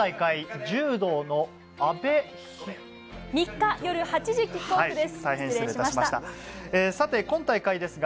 ３日、夜８時キックオフです。